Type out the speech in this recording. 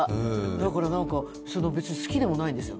だから別に好きでもないんですよ。